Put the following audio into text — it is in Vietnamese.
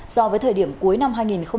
so với thời điểm cuối năm hai nghìn hai mươi